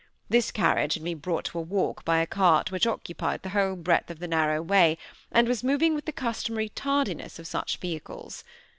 This carriage had been brought to a walk by a cart which occupied the whole breadth of the narrow way, and was moving with the customary tardiness of such vehicles.